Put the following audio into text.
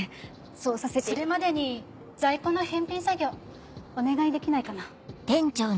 それまでに在庫の返品作業お願いできないかな。